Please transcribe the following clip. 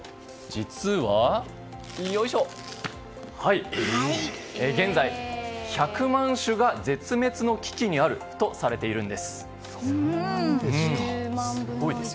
実は現在、１００万種が絶滅の危機にあるとされているんです。